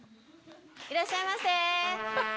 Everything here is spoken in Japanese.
いらっしゃいませ。